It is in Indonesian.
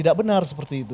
tidak benar seperti itu